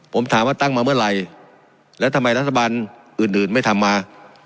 ผมถามว่าตั้งมาเมื่อไหร่แล้วทำไมรัฐบาลอื่นอื่นไม่ทำมา